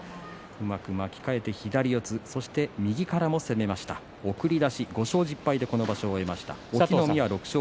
うまく巻き替えて左四つそして右からも攻めました送り出し、５勝１０敗でこの場所を終えました。